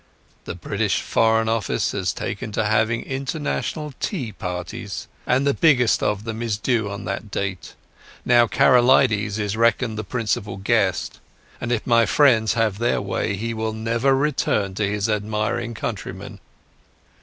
The British Foreign Office has taken to having international tea parties, and the biggest of them is due on that date. Now Karolides is reckoned the principal guest, and if my friends have their way he will never return to his admiring countrymen."